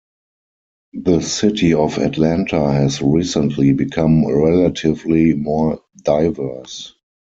The city of Atlanta has recently become relatively more diverse.